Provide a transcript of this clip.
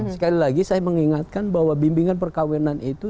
sekali lagi saya mengingatkan bahwa bimbingan perkawinan itu